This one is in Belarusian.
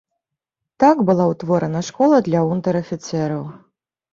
Так была ўтворана школа для унтэр-афіцэраў.